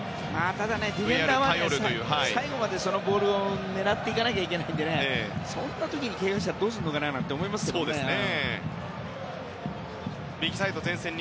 ただディフェンダーは最後までそのボールを狙っていかないといけないからそんな時にけがしたらどうするのかなって思うよね。